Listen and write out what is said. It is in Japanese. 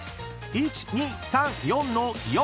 ［１２３４の４］